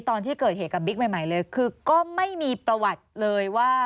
ตอนที่เกิดเหตุกับบิ๊กใหม่เลยคือก็ไม่มีประวัติเลยว่า